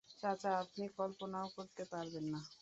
চাচা, আপনি কল্পনাও করতে পারবেন না!